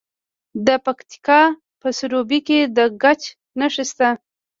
د پکتیکا په سروبي کې د ګچ نښې شته.